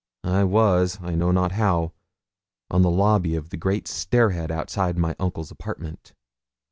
I was, I know not how, on the lobby at the great stair head outside my uncle's apartment.